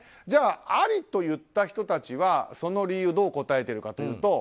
じゃあ、ありと言った人たちはその理由をどう答えているか。